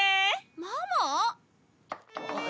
ママ？